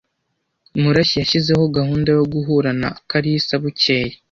Murashyi yashyizeho gahunda yo guhura na Kalarisa bukeye.